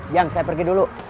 yang saya pergi dulu